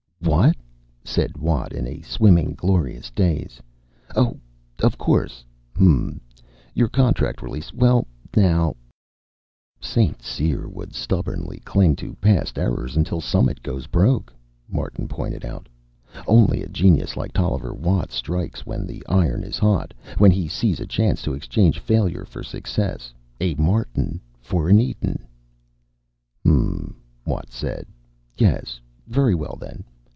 "What?" said Watt, in a swimming, glorious daze. "Oh. Of course. Hm m. Your contract release. Well, now " "St. Cyr would stubbornly cling to past errors until Summit goes broke," Martin pointed out. "Only a genius like Tolliver Watt strikes when the iron is hot, when he sees a chance to exchange failure for success, a Martin for an Eden." "Hm m," Watt said. "Yes. Very well, then."